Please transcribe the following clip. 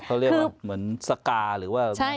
เขาเรียกว่าเหมือนสกาหรือว่า